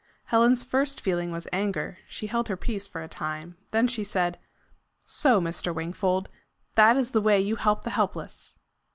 Helen's first feeling was anger. She held her peace for a time. Then she said, "So, Mr. Wingfold! that is the way you help the helpless!"